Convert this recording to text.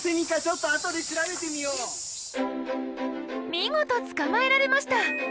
見事捕まえられました！